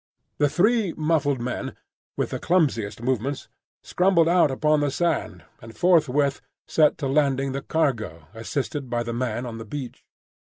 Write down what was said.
The three muffled men, with the clumsiest movements, scrambled out upon the sand, and forthwith set to landing the cargo, assisted by the man on the beach.